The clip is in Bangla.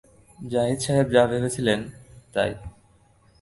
জাহিদ সাহেব যা ভেবেছিলেন, তাই।